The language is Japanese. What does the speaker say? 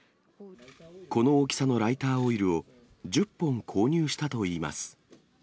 この大きさのライターオイルを１０本購入したといいます。